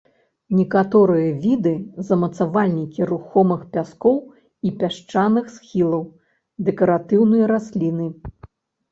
Некаторыя віды замацавальнікі рухомых пяскоў і пясчаных схілаў, дэкаратыўныя расліны.